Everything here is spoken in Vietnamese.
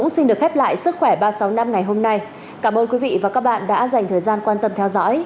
xin chào và hẹn gặp lại trong các chương trình tiếp theo